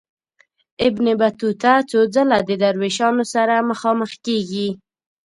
ابن بطوطه څو ځله د دروېشانو سره مخامخ کیږي.